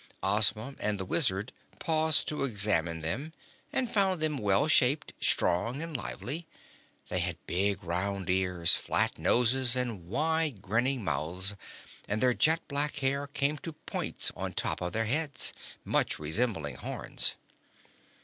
Ozma and the Wizard paused to examine them and found them well shaped, strong and lively. They had big round ears, flat noses and wide grinning mouths, and their jet black hair came to points on top of their heads, much resembling horns.